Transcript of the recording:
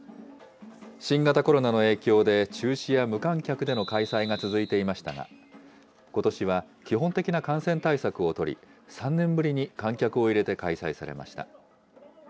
新型コロナの影響で、中止や無観客での開催が続いていましたが、ことしは基本的な感染対策を取り、３年ぶりに観客を入れて開催されました。